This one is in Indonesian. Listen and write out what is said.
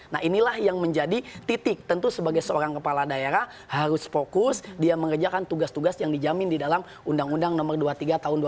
nah inilah yang menjadi titik tentu sebagai seorang kepala daerah harus fokus dia mengerjakan tugas tugas yang dijamin di dalam undang undang nomor dua puluh tiga tahun dua ribu dua